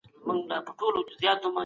هیڅوک باید ږغ په پټه ثبت نه کړي.